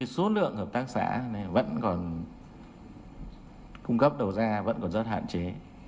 số lượng hợp tác xã này vẫn còn cung cấp đầu ra vẫn còn rất hạn chế